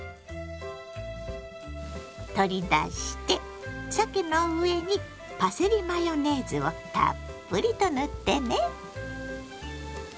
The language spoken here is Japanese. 取り出してさけの上にパセリマヨネーズをたっぷりと塗ってね。